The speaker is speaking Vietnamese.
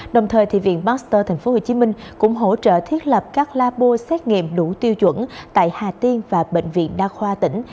đồng thời viện pasteur tp hcm cũng hỗ trợ thiết lập các labo xét nghiệm đủ tiêu chuẩn tại hà tiên và bệnh viện đa khoa tỉnh